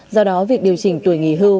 do đó việc điều chỉnh tuổi nghỉ hưu